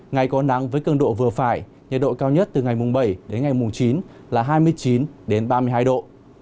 ngày có nắng với cân độ vừa phải nhiệt độ cao nhất từ ngày bảy đến ngày chín là hai mươi chín ba mươi hai độ